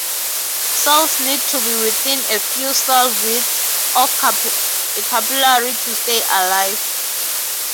Cells need to be within a few cell-widths of a capillary to stay alive.